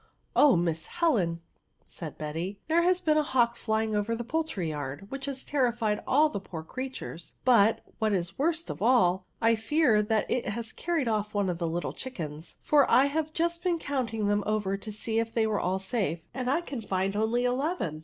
" Oh, Miss Helen," said Betty, " there has been a hawk flying over the poultry yard, which has terrified all the poor creatures ; but, what is the worst of all, I fear that it has carried off one of the little chickens, for I have just been counting them over to see if they were all safe, and I can find only eleven